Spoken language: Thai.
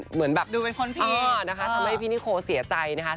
เหมือนแบบดูเป็นคนพี่นะคะทำให้พี่นิโคเสียใจนะคะ